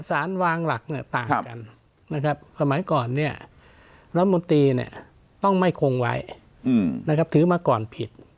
สารวางหลักต่างกันสมัยก่อนรัฐมนตรีต้องไม่คงไว้ถือมาก่อนผิด